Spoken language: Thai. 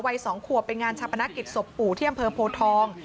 วัย๒ขัวเป็นงานชาปนักกิจสบปู่ที่อำเภอโพทอง